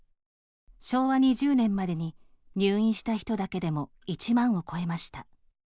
昭和２０年までに入院した人だけでも１万を超えました。